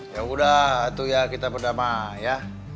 ya udah kita berdamai ya